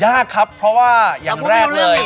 ยากครับเพราะว่าอย่างแรกเลย